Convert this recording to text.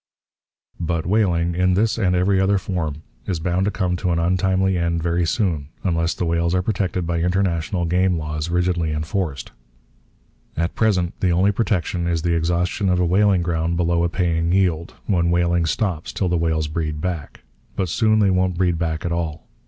But whaling, in this and every other form, is bound to come to an untimely end very soon unless the whales are protected by international game laws rigidly enforced. At present the only protection is the exhaustion of a whaling ground below a paying yield; when whaling stops till the whales breed back. But soon they won't breed back at all.